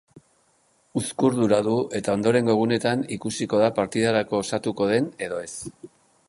Uzkurdura du eta ondorengo egunetan ikusiko da partidarako osatuko den edo ez.